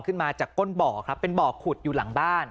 ขึ้นมาจากก้นบ่อครับเป็นบ่อขุดอยู่หลังบ้าน